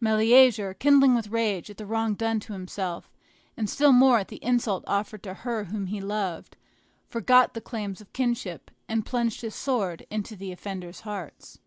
Meleager, kindling with rage at the wrong done to himself, and still more at the insult offered to her whom he loved, forgot the claims of kindred, and plunged his sword into the offenders' hearts.